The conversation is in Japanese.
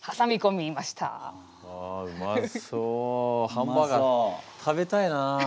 ハンバーガー食べたいな。